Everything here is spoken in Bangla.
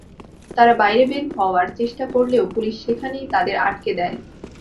তাঁরা বাইরে বের হওয়ার চেষ্টা করলেও পুলিশ সেখানেই তাঁদের আটকে দেয়।